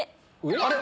あれ？